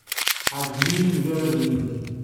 Ɛejben-iyi yimagraden-nnek.